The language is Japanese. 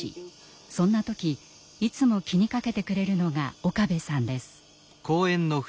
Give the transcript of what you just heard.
そんな時いつも気にかけてくれるのが岡部さんです。